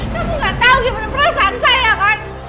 kamu gak tahu gimana perasaan saya kan